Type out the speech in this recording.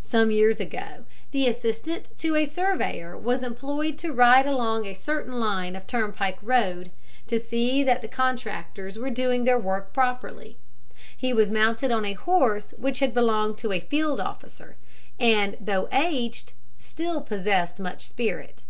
Some years ago the assistant to a surveyor was employed to ride along a certain line of turnpike road, to see that the contractors were doing their work properly. He was mounted on a horse which had belonged to a field officer; and, though aged, still possessed much spirit.